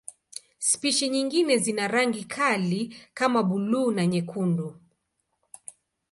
Spishi nyingine zina rangi kali kama buluu na nyekundu.